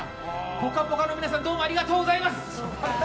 「ぽかぽか」の皆さんどうもありがとうございます。